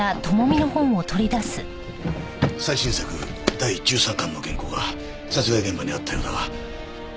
最新作第１３巻の原稿が殺害現場にあったようだが。